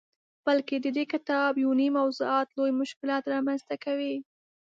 بلکه ددې کتاب یونیم موضوعات لوی مشکلات رامنځته کوي.